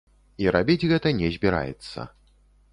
І рабіць гэта не збіраецца.